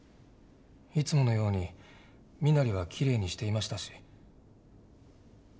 いつものように身なりはきれいにしていましたし。